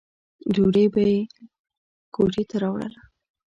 ډوډۍ به یې کوټې ته راوړله.